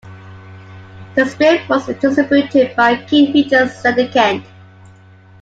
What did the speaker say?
The strip was distributed by King Features Syndicate.